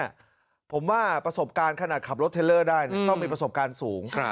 ผมว่าประสบการณ์ขณะขับรถเทลเลอร์ได้ต้องมีประสบการณ์สูง